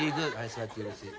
座ってよろしい。